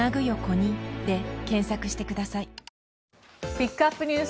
ピックアップＮＥＷＳ